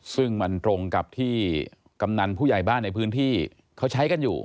ซึ่งมันตรงกับที่กำนันผู้ใหญ่บ้านในพื้นที่เขาใช้กันอยู่